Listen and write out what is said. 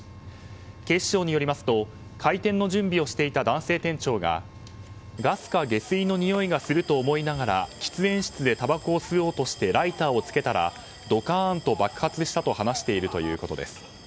警視庁によりますと開店の準備をしていた男性店長がガスか下水のにおいがすると思いながら喫煙室でたばこを吸おうとしてライターをつけたらドカーンと爆発したと話しているということです。